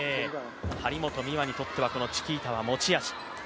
張本美和にとっては、このチキータは持ち味。